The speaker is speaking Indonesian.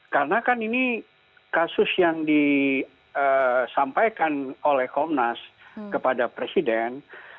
karena kan ini kasus yang disampaikan oleh komnas kepada presiden